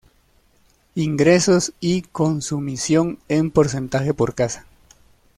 Ingresos y consumición en porcentaje por casa.